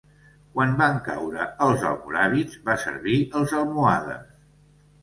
Quan van caure els almoràvits va servir els almohades.